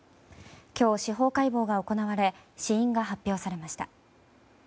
今日、司法解剖が行われ死因が発表されました。